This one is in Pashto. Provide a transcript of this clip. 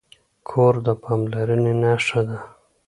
کور د پاملرنې نښه ده.